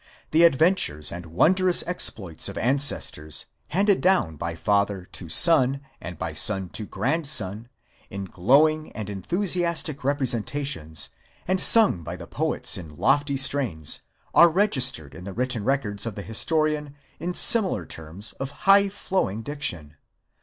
The adventures and wondrous exploits of ancestors, handed down by father to son, and by son to grandson, in glowing and enthusiastic repre sentations, and sung by the poet in lofty strains, are registered in the written records of the historian in similar terms of high flowing diction.